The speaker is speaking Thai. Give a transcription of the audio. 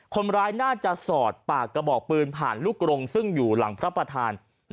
คนร้ายน่าจะสอดปากกระบอกปืนผ่านลูกกรงซึ่งอยู่หลังพระประธาน